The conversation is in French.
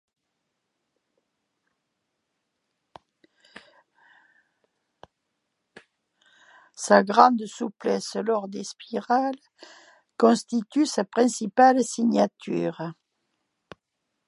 Sa grande souplesse lors des spirales constitue sa principale signature.